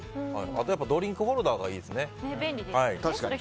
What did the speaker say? あと、ドリンクホルダーが便利ですよね。